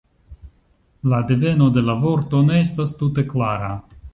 La deveno de la vorto ne estas tute klara.